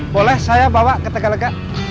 boleh saya bawa ke tegalega